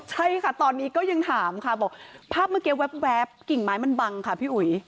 ใช่ค่ะตอนนี้ก็ยังถามค่ะบอกภาพเมื่อกี้แว๊บกิ่งไม้มันบังค่ะพี่อุ๋ย